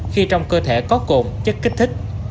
khi trong cơ thể có cồn chất kích thích